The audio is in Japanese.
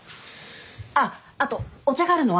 あっあとお茶があるのは。